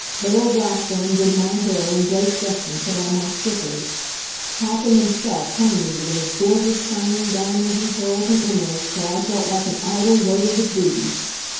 Beryl Blackburn did my hair, and Grace Weston put on my slippers. Topham, himself, hung me with those gorgeous shining diamonds and pearls and emeralds, till I felt like an idol loaded with booty.